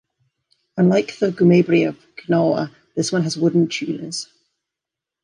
Unlike the Gumebri of Gnawa, this one has wooden tuners.